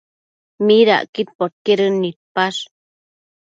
¿Midacquid podquedën nidpash?